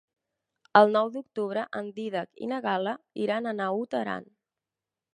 El nou d'octubre en Dídac i na Gal·la iran a Naut Aran.